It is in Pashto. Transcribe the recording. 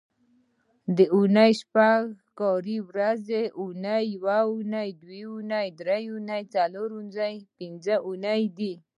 د اونۍ شپږ کاري ورځې اونۍ، یونۍ، دونۍ، درېنۍ، څلورنۍ، پینځنۍ دي